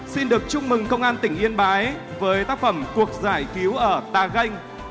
xin được chúc mừng công an tỉnh yên bái với tác phẩm cuộc giải cứu ở tà ganh